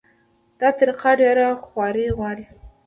دا طریقه ډېره خواري غواړي.